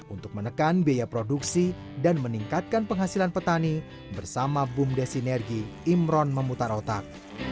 untuk menekan biaya produksi dan meningkatkan penghasilan petani bersama bumdes sinergi imron memutar otak